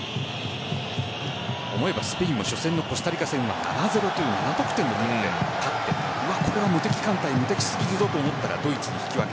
思えばスペインは初戦のコスタリカ戦は７得点奪って無敵艦隊無敵すぎるぞと思ったらドイツに引き分け